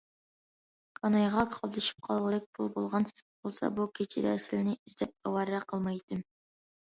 كانايغا قاپلىشىپ قالغۇدەك پۇل بولغان بولسا، بۇ كېچىدە سېلىنى ئىزدەپ ئاۋارە قىلمايتتىم.